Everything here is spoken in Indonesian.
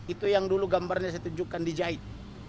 itu yang dulu gambarnya saya tunjukkan di jahit